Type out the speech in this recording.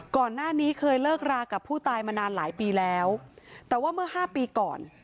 ก่อนหน้านี้เคยเลิกรากับผู้ตายมานานหลายปีแล้วแต่ว่าเมื่อห้าปีก่อน